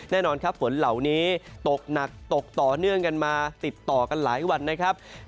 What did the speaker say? แน่นอนครับฝนเหล่านี้ตกหนักตกต่อเนื่องกันมาติดต่อกันหลายวันนะครับ